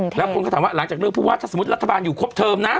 แล้วคนก็ถามว่าหลังจากเลือกผู้ว่าถ้าสมมุติรัฐบาลอยู่ครบเทอมนะ